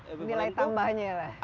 nilai tambahnya lah